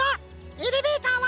エレベーターは？